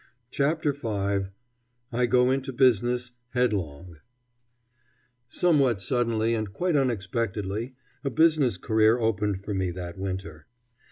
CHAPTER V I GO INTO BUSINESS, HEADLONG Somewhat suddenly and quite unexpectedly, a business career opened for me that winter.